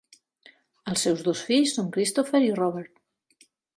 Els seus dos fills són Christopher i Robert.